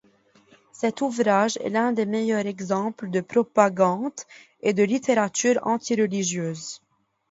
Cet ouvrage est l'un des meilleurs exemples de propagande et de littérature anti-religieuse.